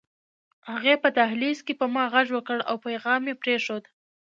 هغې په دهلېز کې په ما غږ وکړ او پيغام يې پرېښود